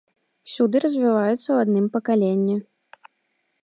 Усюды развіваецца ў адным пакаленні.